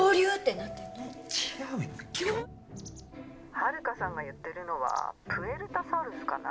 ☎ハルカさんが言ってるのはプエルタサウルスかな？